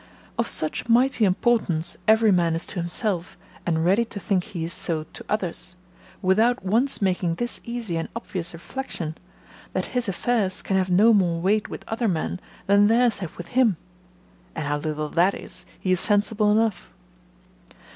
Of such mighty importance every man is to himself, and ready to think he is so to others; without once making this easy and obvious reflection, that his affairs can have no more weight with other men, than theirs have with him; and how little that is, he is sensible enough.